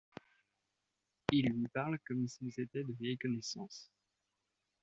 Il lui parle comme s'ils étaient de vieilles connaissances.